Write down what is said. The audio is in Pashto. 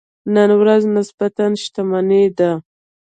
نن ورځ نسبتاً شتمنې دي.